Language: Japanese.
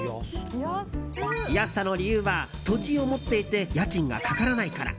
安さの理由は土地を持っていて家賃がかからないから。